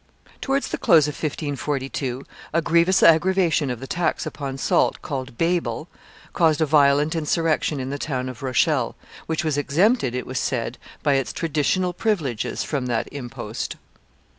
Towards the close of 1542, a grievous aggravation of the tax upon salt, called Babel, caused a violent insurrection in the town of Rochelle, which was exempted, it was said, by its traditional privileges from that impost.